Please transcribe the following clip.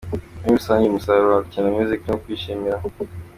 Muri rusange umusaruro wa Kina Music ni uwo kwishimira.